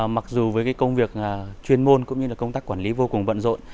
mặc dù với công việc chuyên môn cũng như công tác quản lý vô cùng vận rộn